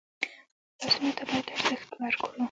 لاسونه ته باید ارزښت ورکړو